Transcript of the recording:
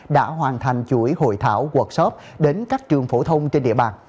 đã hoàn thành chuỗi hội thảo workshop đến các trường phổ thông trên địa bàn